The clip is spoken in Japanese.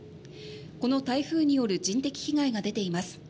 この台風による人的被害が出ています。